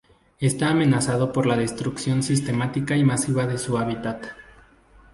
Está amenazado por la destrucción sistemática y masiva de su hábitat.